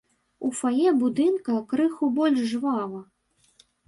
У фае будынка крыху больш жвава.